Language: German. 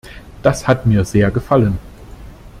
Das hat mir sehr gefallen.